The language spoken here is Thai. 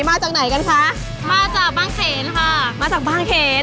มาจากไหนกันคะมาจากบางเขนค่ะมาจากบางเขน